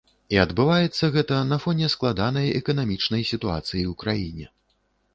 І адбываецца гэта на фоне складанай эканамічнай сітуацыі ў краіне.